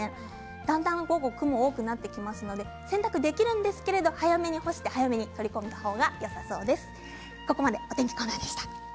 だんだん雲が多くなってきますので洗濯はできるんですが早めに干して早く取り込んだ方がよさそうです。